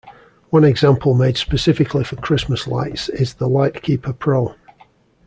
One example made specifically for Christmas lights is the LightKeeper Pro.